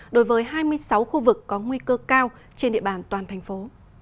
đối với hai mươi sáu khu vực có nguy cơ cao trên địa bàn toàn thành phố